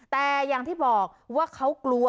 แต่อย่างที่บอกว่าเขากลัว